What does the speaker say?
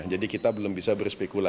jadi kita belum bisa bersetujuan